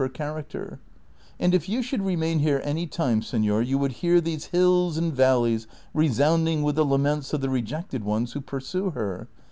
of Ler character ; and if yoii should remain here any time, senor, you wouhl hear these hills and valleys resounding with the laments of the rejected ones who pursue her.